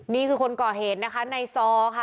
นี่คือคนก่อเหตุนะคะในซอค่ะ